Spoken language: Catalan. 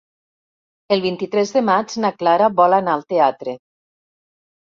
El vint-i-tres de maig na Clara vol anar al teatre.